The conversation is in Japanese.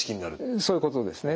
そういうことですね。